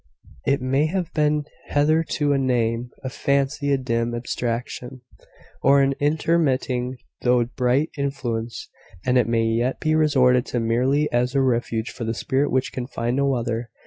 It may have been hitherto a name, a fancy, a dim abstraction, or an intermitting though bright influence: and it may yet be resorted to merely as a refuge for the spirit which can find no other.